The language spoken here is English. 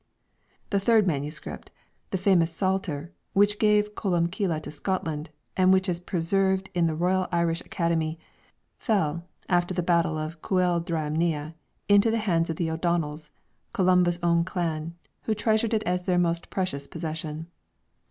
The third manuscript, the famous Psalter which gave Columbcille to Scotland and which is preserved in the Royal Irish Academy, fell, after the battle of Cuil Dreimhne, into the hands of the O'Donnells, Columba's own clan, who treasured it as their most precious possession.